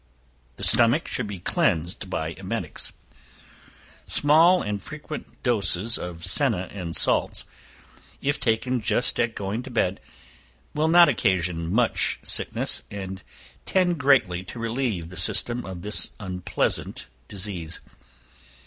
The stomach should be cleansed by emetics. Small and frequent doses of senna and salts, if taken just at going to bed, will not occasion much sickness, and tend greatly to relieve the system of this unpleasant disease.